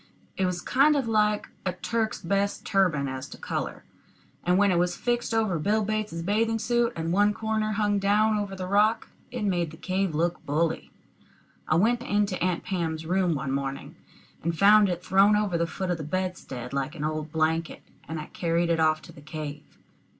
It was kind of like a Turk's best turban as to color; and when it was fixed over Bill Bates's bathing suit, and one corner hung down over the rock, it made the cave look bully. I went into Aunt Pam's room one morning, and found it thrown over the foot of the bedstead, like an old blanket, and I carried it off to the cave.